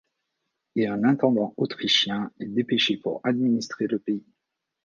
Et un intendant autrichien est dépêché pour administrer le pays.